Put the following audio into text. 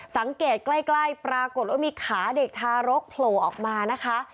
สังเกตใกล้ปรากฏว่ามีขาเด็กทารกโผล่ออกมานะคะ